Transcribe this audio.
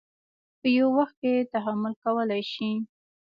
په یوه وخت کې تحمل کولی شي.